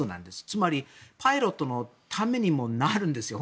つまりパイロットのためにもなるんですよ。